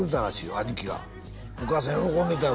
兄貴がお母さん喜んでたよ